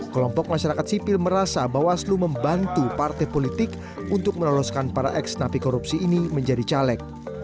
kelompok masyarakat sipil merasa bawaslu membantu partai politik untuk menoloskan para ex napi korupsi ini menjadi caleg